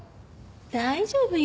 大丈夫よ。